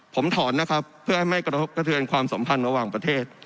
ผมถอนนะครับเพื่อให้ไม่กระทบกระเทือนความสัมพันธ์ระหว่างประเทศ